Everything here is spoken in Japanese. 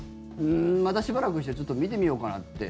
またしばらくしてちょっと見てみようかなって。